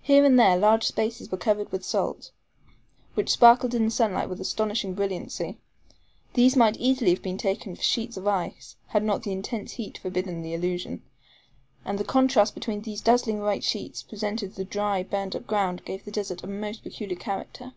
Here and there large spaces were covered with salt, which sparkled in the sunlight with astonishing brilliancy. These might easily have been taken for sheets of ice, had not the intense heat forbidden the illusion; and the contrast these dazzling white sheets presented to the dry, burned up ground gave the desert a most peculiar character.